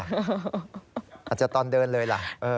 อาจจะตอนเดินเลยล่ะ